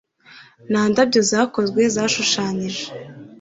Nta ndabyo zakozwe zashushanyije